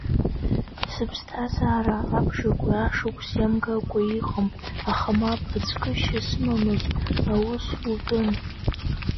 Сыԥ-сҭазаара абжак уи ашықәс иамгакәа иҟам, аха мап ацәкышьа сымамызт, аус утәын.